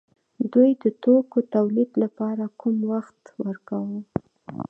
دوی د توکو تولید لپاره کم وخت ورکاوه.